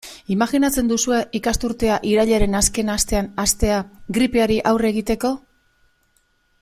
Imajinatzen duzue ikasturtea irailaren azken astean hastea gripeari aurre egiteko?